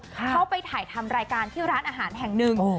เขาไปถ่ายทำรายการที่ร้านอาหารแห่งหนึ่ง